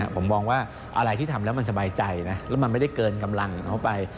ผมมองว่าอะไรที่ทำแล้วมันสบายใจนะแล้วมันไม่ได้เกินกำลังของเขาไป